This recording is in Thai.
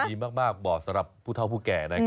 ดีมากว่าสำหรับผู้เท่าผู้แก่